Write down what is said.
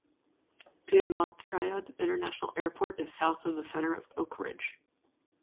Piedmont Triad International Airport is south of the center of Oak Ridge.